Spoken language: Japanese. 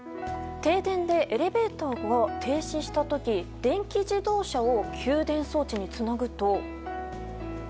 停電でエレベーターが停止した時電気自動車を給電装置につなぐと。